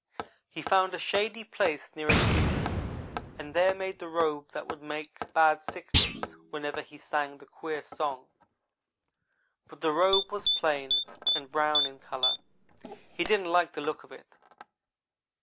He found a shady place near a creek, and there made the robe that would make Bad Sickness whenever he sang the queer song, but the robe was plain, and brown in color. He didn't like the looks of it.